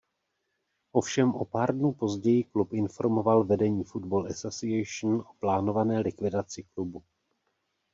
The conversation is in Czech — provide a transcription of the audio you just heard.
Ovšem o pár dnů později klub informoval vedení Football Association o plánované likvidaci klubu.